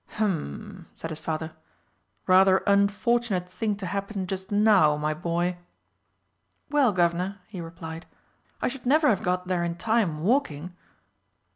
"Hem!" said his Father. "Rather unfortunate thing to happen just now, my boy!" "Well, Guv'nor," he replied, "I should never have got there in time, walking."